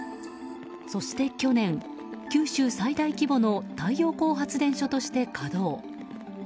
そして去年、九州最大規模の太陽光発電所として稼働。